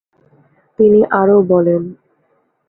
তিনি আরো বলেন।